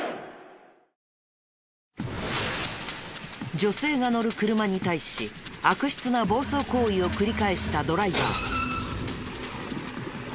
女性が乗る車に対し悪質な暴走行為を繰り返したドライバー。